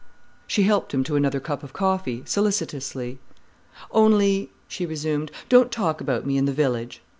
She helped him to another cup of coffee, solicitously. "Only," she resumed, "don't talk about me in the village."